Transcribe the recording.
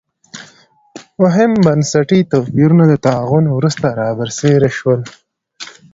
مهم بنسټي توپیرونه د طاعون وروسته را برسېره شول.